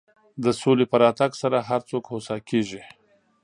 د سولې په راتګ سره هر څوک هوسا کېږي.